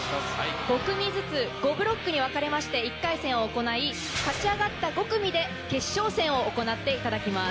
５組ずつ５ブロックに分かれまして１回戦を行い勝ち上がった５組で決勝戦を行っていただきます。